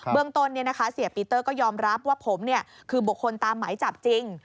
เมืองต้นเสียปีเตอร์ก็ยอมรับว่าผมคือบุคคลตามหมายจับจริง